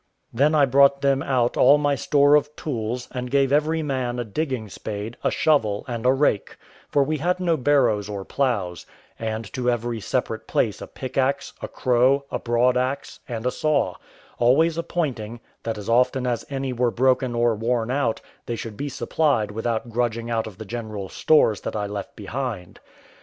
Then I brought them out all my store of tools, and gave every man a digging spade, a shovel, and a rake, for we had no barrows or ploughs; and to every separate place a pickaxe, a crow, a broad axe, and a saw; always appointing, that as often as any were broken or worn out, they should be supplied without grudging out of the general stores that I left behind.